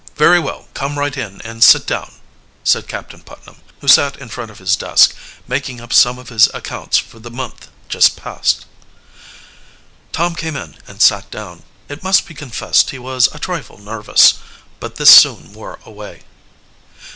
Very well, come right in and sit down," said Captain Putnam, who sat in front of his desk, making up some of his accounts for the month just past. Tom came in and sat down. It must be confessed he was a trifle nervous, but this soon wore away.